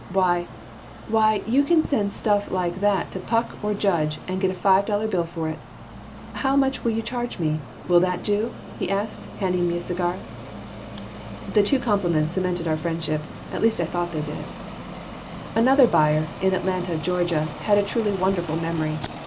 "Why why, you can send stuff like that to Puck or Judge and get a five dollar bill for it. How much will you charge me? Will that do?" he asked, handing me a cigar The two compliments cemented our friendship. At least, I thought they did Another buyer, in Atlanta, Georgia, had a truly wonderful memory.